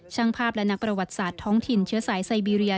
ช่างภาพและนักประวัติศาสตร์ท้องถิ่นเชื้อสายไซบีเรีย